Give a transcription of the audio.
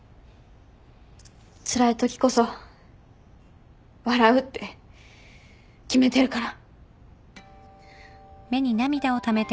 つらいときこそ笑うって決めてるから。